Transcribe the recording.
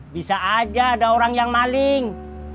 bisa aja ada orang yang maling